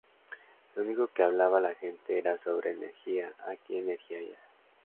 Lo único que hablaba la gente era sobre energía aquí, energía allá.